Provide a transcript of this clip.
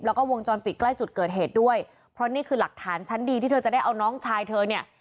แล้วก็วงจรปิดใกล้จุดเกิดเหตุด้วยเพราะนี่คือหลักฐานชั้นดีที่เธอจะได้เอาน้องชายเธอเนี่ย